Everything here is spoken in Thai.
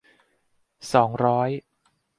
สองร้อย